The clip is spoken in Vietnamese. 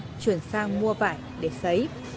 trung quốc chuyển sang mua vải để xấy